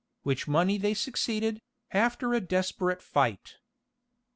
Which money they succeeded, after a desperate fight."